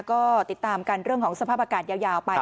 ก็ติดตามกันเรื่องของสภาพอากาศยาวไป